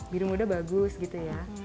biru muda bagus gitu ya